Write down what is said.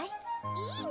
いいね！